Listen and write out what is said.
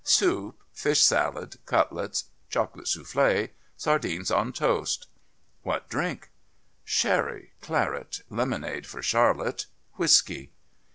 "Soup, fish salad, cutlets, chocolate soufflé, sardines on toast." "What drink?" "Sherry, claret, lemonade for Charlotte, whisky."